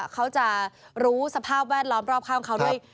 เขาจะรู้สภาพแวดล้อมรอบข้างเขาด้วย